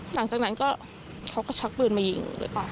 หลังจากนั้นเขาก็ชักปืนมายิงเลยค่ะ